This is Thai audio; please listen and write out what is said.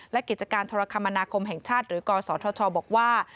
และกิจการโทรคมนาคมแห่งชาติหรือกศธชบอกว่า